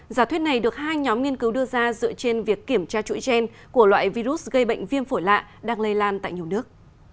giả thuyết này được hai nhóm nghiên cứu đưa ra dựa trên việc kiểm tra chuỗi gen của loại virus gây bệnh viêm phổi lạ đang lây lan tại nhiều nước